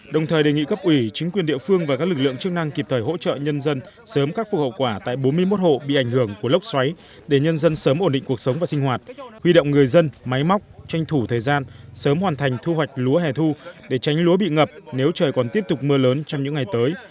đồng thời đề nghị cấp ủy chính quyền địa phương và các lực lượng chức năng kịp thời hỗ trợ nhân dân sớm các phục hậu quả tại bốn mươi một hộ bị ảnh hưởng của lốc xoáy để nhân dân sớm ổn định cuộc sống và sinh hoạt huy động người dân máy móc tranh thủ thời gian sớm hoàn thành thu hoạch lúa hẻ thu để tránh lúa bị ngập nếu trời còn tiếp tục mưa lớn trong những ngày tới